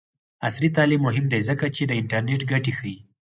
عصري تعلیم مهم دی ځکه چې د انټرنټ ګټې ښيي.